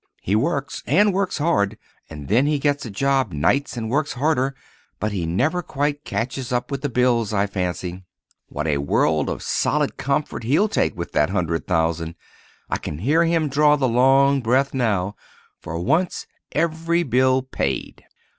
He works, and works hard, and then he gets a job nights and works harder; but he never quite catches up with his bills, I fancy. What a world of solid comfort he'll take with that hundred thousand! I can hear him draw the long breath now—for once every bill paid!